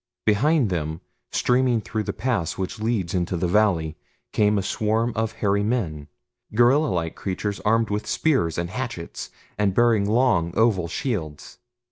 Behind them, streaming through the pass which leads into the valley, came a swarm of hairy men gorilla like creatures armed with spears and hatchets, and bearing long, oval shields.